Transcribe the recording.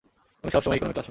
আমি সব সময় ইকনমি ক্লাসে।